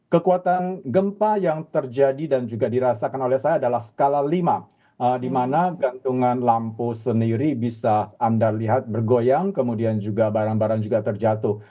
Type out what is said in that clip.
kekuatan gempa yang terjadi dan juga dirasakan oleh saya adalah skala lima di mana gantungan lampu sendiri bisa anda lihat bergoyang kemudian juga barang barang juga terjatuh